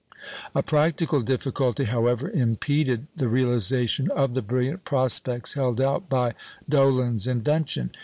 A practical difficulty, however, impeded the realisation of the brilliant prospects held out by Dollond's invention.